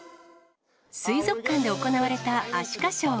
水族館で行われたアシカショー。